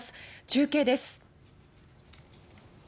中継です。